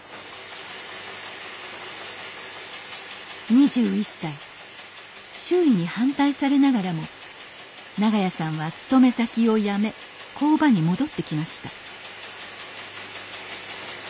２１歳周囲に反対されながらも長屋さんは勤め先を辞め工場に戻ってきました